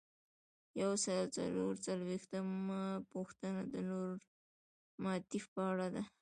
یو سل او څلور څلویښتمه پوښتنه د نورماتیف په اړه ده.